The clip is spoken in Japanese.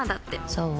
そう？